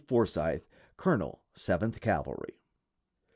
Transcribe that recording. FORSYTH, Colonel Seventh Cavalry.